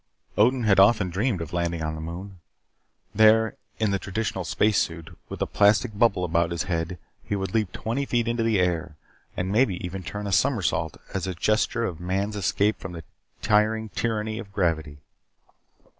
Odin had often dreamed of landing on the moon. There, in the traditional space suit, with a plastic bubble about his head, he would leap twenty feet into the air, and maybe even turn a somersault as a gesture of man's escape from the tiring tyranny of gravity.